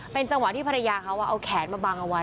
เป็นจังหวะที่ภรรยาเขาเอาแขนมาบังเอาไว้